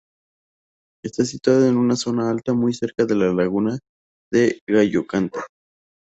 Está situada en una zona alta muy cerca de la Laguna de Gallocanta.